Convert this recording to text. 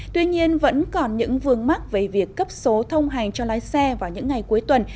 tuy nhiên vẫn còn những vương mắc về việc cấp số thông hành cho lái xe vào những ngày cuối tuần